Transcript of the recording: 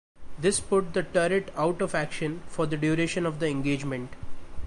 This put the turret out of action for the duration of the engagement.